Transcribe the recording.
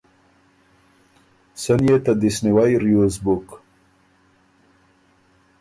سن يې ته دست نیوئ ریوز بُک۔